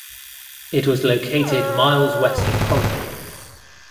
It was located miles west of Corinth.